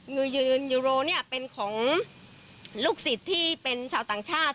มือยืนยูโรเนี่ยเป็นของลูกศิษย์ที่เป็นชาวต่างชาติ